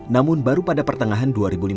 namun baru pada pertengahan dua ribu lima belas